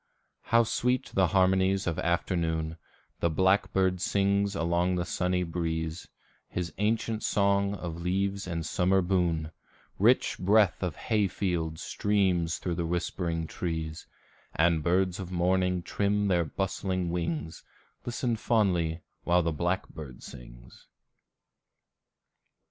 How sweet the harmonies of afternoon, The blackbird sings along the sunny breeze His ancient song of leaves and summer boon; Rich breath of hayfields streams thro' the whispering trees, And birds of morning trim their bustling wings, And listen fondly, while the blackbird sings.